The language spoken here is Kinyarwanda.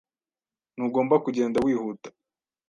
Ntugomba kugenda wihuta.